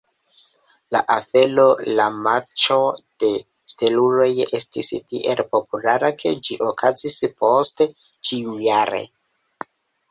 La afero, la Matĉo de Steluloj, estis tiel populara ke ĝi okazis poste ĉiujare.